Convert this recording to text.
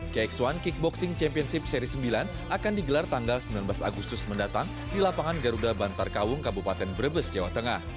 kx satu kickboxing championship seri sembilan akan digelar tanggal sembilan belas agustus mendatang di lapangan garuda bantarkawung kabupaten brebes jawa tengah